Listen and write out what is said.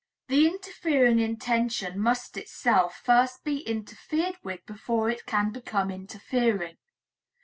The interfering intention must itself first be interfered with before it can become interfering.